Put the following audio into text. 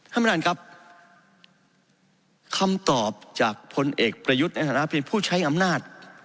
ท่านประธานครับคำตอบจากพลเอกประยุทธ์ในฐานะเป็นผู้ใช้อำนาจ